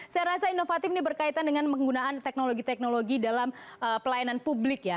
saya rasa inovatif ini berkaitan dengan penggunaan teknologi teknologi dalam pelayanan publik ya